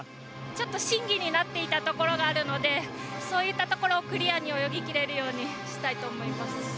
ちょっと審議になっていたところがあるのでそういったところをクリアに泳ぎ切れるようにしたいと思います。